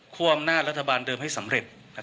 คว่ำหน้ารัฐบาลเดิมให้สำเร็จ